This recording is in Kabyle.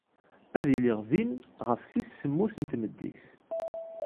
Ad iliɣ din ɣef tis semmus n tmeddit.